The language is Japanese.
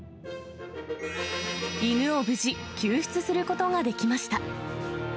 犬を無事、救出することができました。